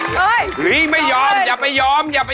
ชนะถูกกว่าเสดอเฮ้ยถูกกว่าเหรอ